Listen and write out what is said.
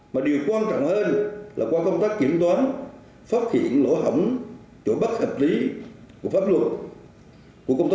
mà điều quan trọng hơn là qua công tác kiểm toán phát hiện lỗ hỏng chỗ bất hợp lý của pháp luật